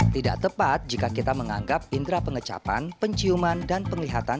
tidak tepat jika kita menganggap indera pengecapan penciuman dan penglihatan